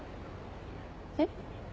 えっ？